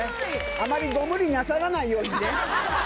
あまりご無理なさらないようにね。